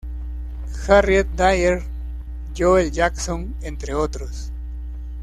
Harriet Dyer, Joel Jackson, entre otros...